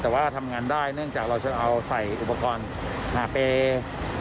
แต่ว่าทำงานได้เนื่องจากเราจะเอาใส่อุปกรณ์หาเปย์